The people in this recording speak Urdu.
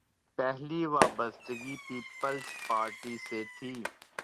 پہلی وابستگی پیپلز پارٹی سے تھی۔